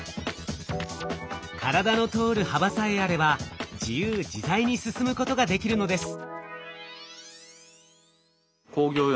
体の通る幅さえあれば自由自在に進むことができるのです。